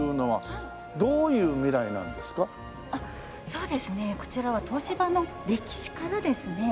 そうですねこちらは東芝の歴史からですね